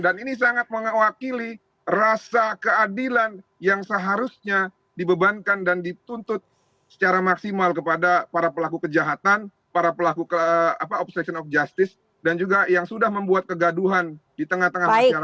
ini sangat mengawakili rasa keadilan yang seharusnya dibebankan dan dituntut secara maksimal kepada para pelaku kejahatan para pelaku obstruction of justice dan juga yang sudah membuat kegaduhan di tengah tengah masyarakat